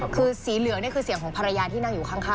คือสีเหลืองนี่คือเสียงของภรรยาที่นั่งอยู่ข้าง